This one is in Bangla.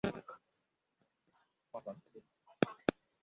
কপাল, বোকা!